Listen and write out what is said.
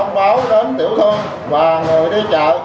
ban quán lý chợ thông báo đến tiểu thương và người đi chợ